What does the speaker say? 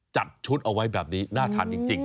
จัดชุดเอาไว้แบบนี้น่าทานจริง